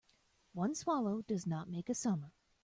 One swallow does not make a summer.